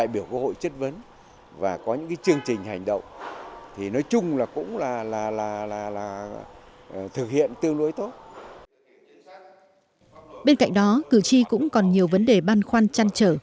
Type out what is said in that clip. bên cạnh đó cử tri cũng còn nhiều vấn đề băn khoăn chăn trở